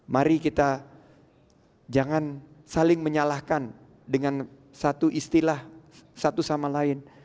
mari kita jangan saling menyalahkan dengan satu istilah satu sama lain